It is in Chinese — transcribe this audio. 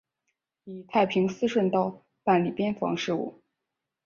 以太平思顺道办理边防事务。